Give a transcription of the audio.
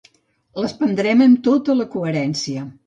Les prendrem amb tota la coherència.